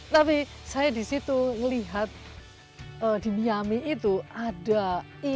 tapi saya di situ melihat di miami itu ada ikan